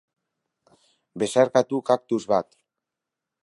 Besarkatu kaktus bat!